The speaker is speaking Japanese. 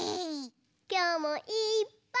きょうもいっぱい。